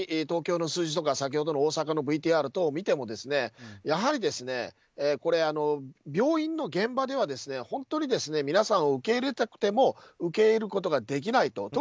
東京の数字とか先ほどの大阪のＶＴＲ等を見てもやはり病院の現場では本当に皆さんを受け入れたくても受け入れることができないと。